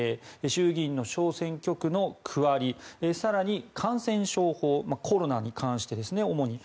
衆議院の小選挙区の区割り更に、感染症法コロナに関してですね、主に。